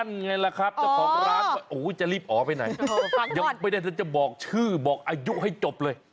ไงล่ะครับเจ้าของร้านว่าจะรีบอ๋อไปไหนยังไม่ได้ถ้าจะบอกชื่อบอกอายุให้จบเลย